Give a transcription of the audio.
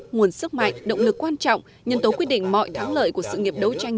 nguồn sức mạnh động lực quan trọng nhân tố quyết định mọi thắng lợi của sự nghiệp đấu tranh